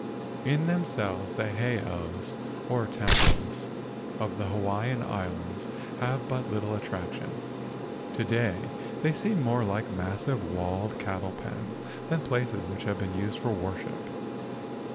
In themselves the heiaus, or temples, of the Hawaiian Islands have but little attraction. To day they seem more like massive walled cattle pens than places which have been used for worship.